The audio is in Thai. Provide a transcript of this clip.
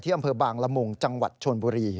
ที่อำเภอบางลมงค์จังหวัดชวนบุรี